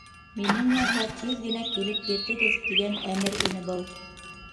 Минең янға тиҙ генә килеп етегеҙ, тигән әмер ине был.